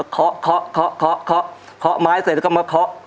เค้าเค้าเค้าเค้าเค้าเค้าไม้เสร็จแล้วก็เค้า